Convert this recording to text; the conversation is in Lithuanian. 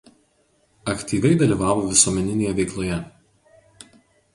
Aktyviai dalyvavo visuomeninėje veikloje.